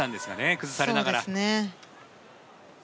崩されながら。